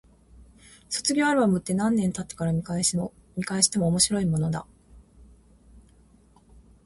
卒業アルバムって、何年経ってから見返しても面白いものだ。